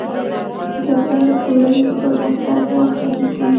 جګړه د ټولني د پرمختګ مخه نيسي.